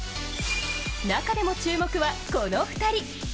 中でも注目は、この２人。